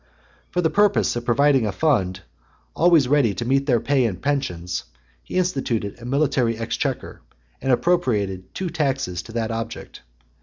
For the purpose of providing a fund always ready to meet their pay and pensions, he instituted a military exchequer, and appropriated new taxes to that object.